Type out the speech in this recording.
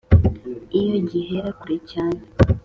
iyo gihera: kure cyane.